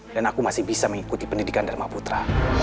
dan aku masih bisa mengikuti pendidikan dharma putra